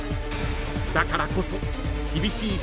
［だからこそ］